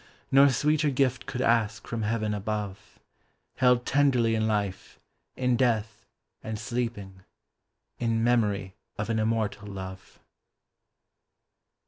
Nor sweeter gift could ask from heaven above ; Held tenderly in life, in death, and sleeping " In memory of an immortal love."